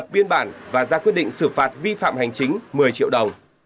biên bản và ra quyết định xử phạt vi phạm hành chính một mươi triệu đồng